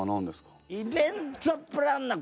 イベントプランナー！